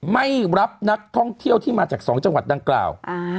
ไม่รับนักท่องเที่ยวที่มาจาก๒จังหวัดดังกล่าว